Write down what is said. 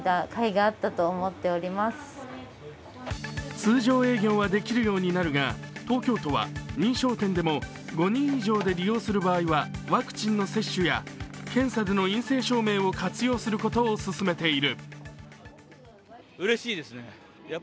通常営業はできるようになるが、東京都は認証店でも５人以上で利用する場合はワクチンの接種や検査での陰性証明を活用することを勧めている。